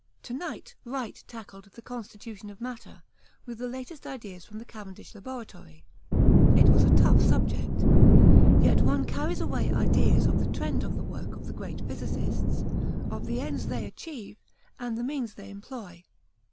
To night Wright tackled 'The Constitution of Matter' with the latest ideas from the Cavendish Laboratory: it was a tough subject, yet one carries away ideas of the trend of the work of the great physicists, of the ends they achieve and the means they employ.